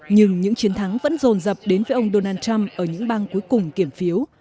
nhưng những chiến thắng vẫn rồn rập đến với ông donald trump ở những bang cuối cùng kiểm phiếu